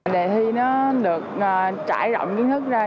đề thi nó được trải rộng kiến thức ra